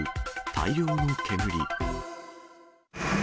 大量の煙。